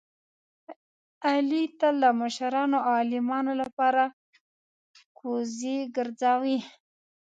علي تل د مشرانو او عالمانو لپاره کوزې ګرځوي.